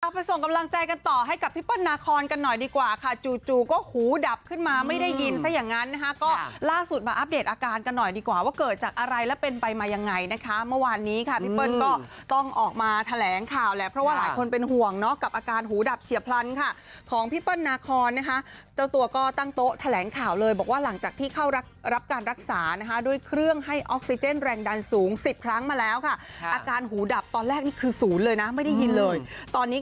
เอาไปส่งกำลังใจกันต่อให้กับพี่เปิ้ลนาคอนกันหน่อยดีกว่าค่ะจู่ก็หูดับขึ้นมาไม่ได้ยินซะอย่างนั้นนะคะก็ล่าสุดมาอัปเดตอาการกันหน่อยดีกว่าว่าเกิดจากอะไรแล้วเป็นไปมายังไงนะคะเมื่อวานนี้ค่ะพี่เปิ้ลก็ต้องออกมาแถลงข่าวแล้วเพราะว่าหลายคนเป็นห่วงเนาะกับอาการหูดับเฉียบพลันค่ะของพี่เปิ้ลน